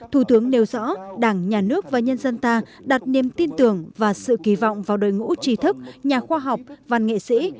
thủ tướng nêu rõ đảng nhà nước và nhân dân ta đặt niềm tin tưởng và sự kỳ vọng vào đội ngũ trí thức nhà khoa học văn nghệ sĩ